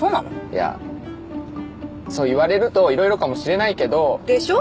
いやそう言われるといろいろかもしれないけどでしょ？